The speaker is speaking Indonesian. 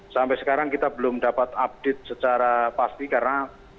sampai sekarang kita belum dapat update secara pasti karena